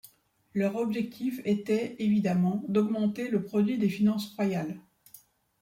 Leur objectif était, évidemment, d'augmenter le produit des finances royales.